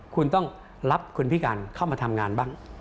คุณต้องรับคนพิการเข้ามาทำงานบ้าง